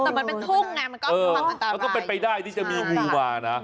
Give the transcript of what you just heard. แต่มันเป็นทุ่งนะมันก็มันต่างกันต่อไปแล้วก็เป็นไปได้ที่จะมีวิวมานะ